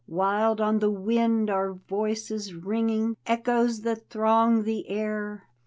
Wild on the wind are voices ringing. Echoes that throng the air.